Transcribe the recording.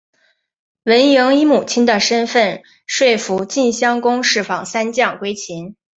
文嬴以母亲的身分说服晋襄公释放三将归秦。